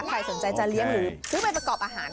ใครสนใจจะเลี้ยงหรือซื้อไปประกอบอาหาร